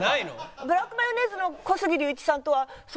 ブラックマヨネーズの小杉竜一さんは。